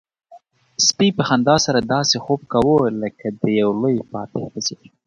سپي په خندا سره داسې خوب کاوه لکه د یو لوی فاتح په څېر.